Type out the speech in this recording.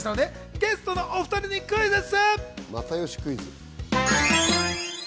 ゲストのお２人にクイズッス。